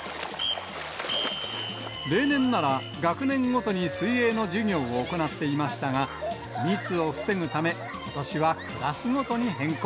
例年なら、学年ごとに水泳の授業を行っていましたが、密を防ぐため、ことしはクラスごとに変更。